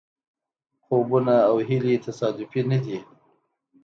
خوبونه او هیلې تصادفي نه دي.